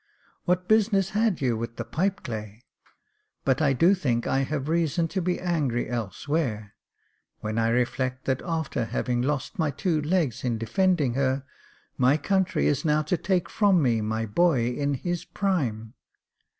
What business had you with the pipe clay ? But I do think I have reason to be angry else where, when I reflect that after having lost my two legs in defending her, my country is now to take from me my boy in his prime.